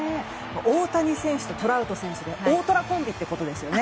大谷選手とトラウト選手でオオトラ選手ということですね。